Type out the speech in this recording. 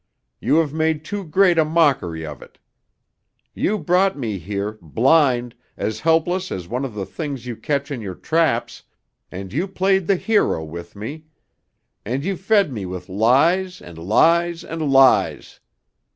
You have made too great a mockery of it. You brought me here, blind, as helpless as one of the things you catch in your traps, and you played the hero with me. And you fed me with lies and lies and lies.